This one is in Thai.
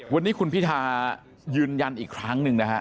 วันนี้คุณพิทายืนยันอีกครั้งหนึ่งนะฮะ